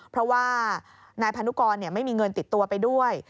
เพราะว่านายพานุกรไม่มีเงินติดตัวไปด้วย